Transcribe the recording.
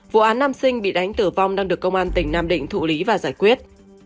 vụ án nam sinh bị đánh tử vong đang được công an tỉnh nam định thụ lý và giải quyết